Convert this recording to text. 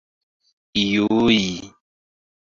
iuj